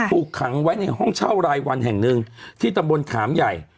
ถูกขังไว้ในห้องเช่ารายวันแห่งหนึ่งที่ตำบลขามใหญ่